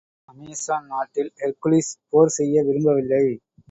அமெசான் நாட்டில் ஹெர்க்குலிஸ் போர் செய்ய விரும்பவில்லை.